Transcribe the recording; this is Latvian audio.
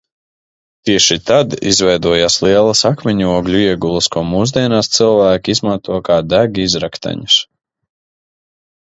Tieši tad izveidojās lielas akmeņogļu iegulas, ko mūsdienās cilvēki izmanto kā degizrakteņus.